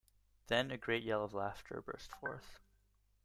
Then a great yell of laughter burst forth.